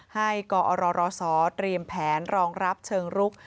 ให้กอรศเตรียมแผนรองรับเชิงรุก